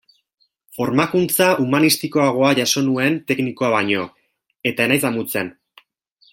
Formakuntza humanistikoagoa jaso nuen teknikoa baino, eta ez naiz damutzen.